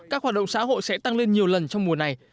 các hoạt động xã hội sẽ tăng lên nhiều lần trong mùa này